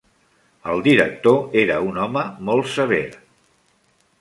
El director era un home molt sever.